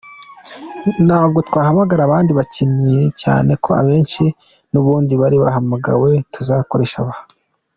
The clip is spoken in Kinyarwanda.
Ntabwo twahamagara abandi bakinnyi cyane ko abenshi n’ubundi bari bahamagawe, tuzakoresha aba.